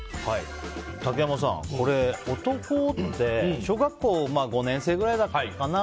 竹山さん、男って小学校５年生ぐらいかな。